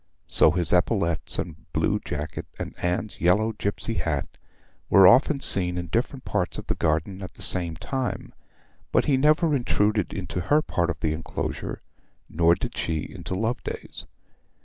So his epaulettes and blue jacket, and Anne's yellow gipsy hat, were often seen in different parts of the garden at the same time; but he never intruded into her part of the enclosure, nor did she into Loveday's.